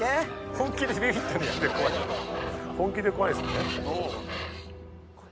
本気で怖いんですね。